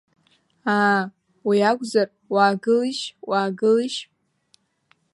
Аа, уи акәзар уаагылишь, уаагылишь.